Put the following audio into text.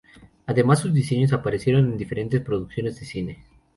Además sus diseños aparecieron en diferentes producciones de cine.